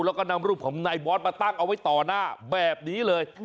แล้วก็นำรูปของนายบอสมาตั้งเอาไว้ต่อหน้าแบบนี้เลย